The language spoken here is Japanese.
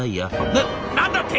「な何だって？